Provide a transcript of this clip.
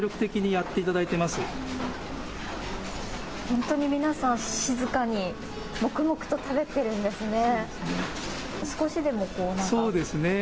本当に皆さん、静かに黙々と食べているんですね。